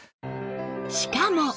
しかも